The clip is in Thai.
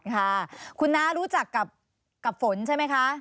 ค่ะคุณน้ารู้จักกับฝนใช่ไหมคะ